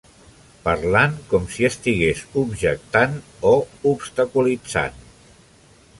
Parlant com si estigués objectant o obstaculitzant!